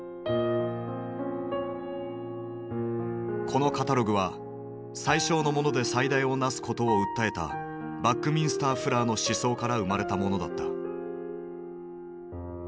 このカタログは「最小のもので最大をなす」ことを訴えたバックミンスター・フラーの思想から生まれたものだった。